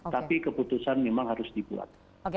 tapi keputusan memang harus dibuat